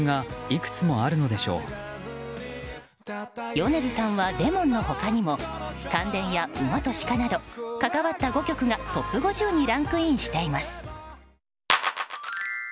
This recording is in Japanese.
米津さんは「Ｌｅｍｏｎ」の他にも「感電」や「馬と鹿」など関わった５曲がトップ５０にランクインしています。